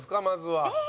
まずは。